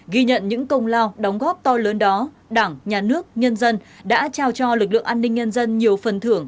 ghi nhận những công lao đóng góp to lớn đó đảng nhà nước nhân dân đã trao cho lực lượng an ninh nhân dân nhiều phần thưởng